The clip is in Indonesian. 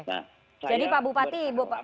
nah saya berharap